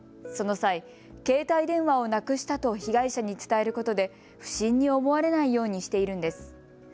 その際、携帯電話をなくしたと被害者に伝えることで不審に思われないようにしているんです。